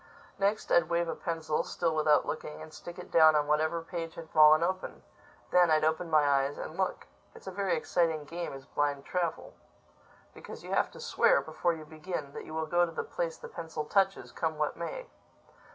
Next, I'd wave a pencil, still without looking, and stick it down on whatever page had fallen open. Then I'd open my eyes and look. It's a very exciting game, is Blind Travel. Because you have to swear, before you begin, that you will go to the place the pencil touches, come what may.